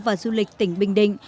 và du lịch tỉnh bình định